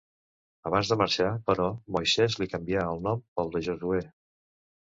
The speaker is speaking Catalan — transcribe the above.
Abans de marxar, però, Moisès li canvià el nom pel de Josuè.